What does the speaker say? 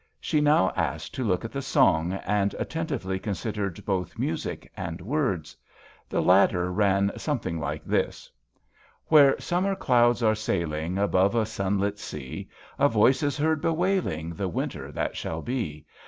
She now asked to look at the song, and attentively considered both music and words. The latter ran something like this: " Where summer clouds are sailing Above a sunlit sea A voice is heard bewailing The winter that shall be.